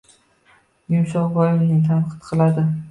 Yumshoqboevni tanqid qiladi